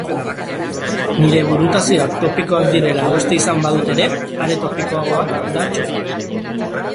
Nire burutazioak topikoak direla uste izan badut ere, are topikoagoa da txoferra.